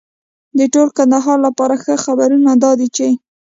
د ټول کندهار لپاره ښه خبرونه دا دي چې